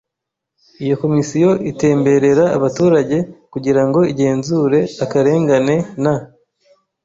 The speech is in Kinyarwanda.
Iyo Komisiyo itemberera abaturage kugira ngo igenzure akarengane na